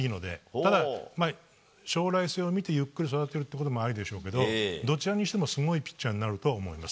ただ、将来性を見てゆっくり育てるというところもあるでしょうけどどちらにしても、すごいピッチャーになると思います。